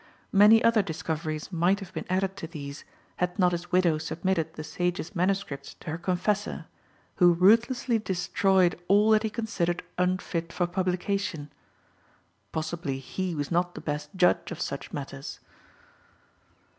Many other discoveries might have been added to these, had not his widow submitted the sage's MSS. to her confessor, who ruthlessly destroyed all that he considered unfit for publication. Possibly he was not the best judge of such matters!